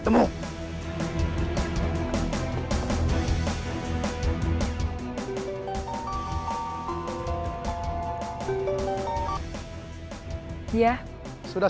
ini harga yang sama